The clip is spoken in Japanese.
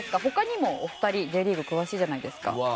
他にもお二人Ｊリーグ詳しいじゃないですか。